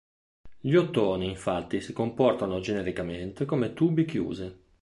Gli ottoni infatti si comportano genericamente come tubi chiusi.